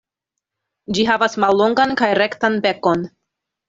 Ĝi havas mallongan kaj rektan bekon.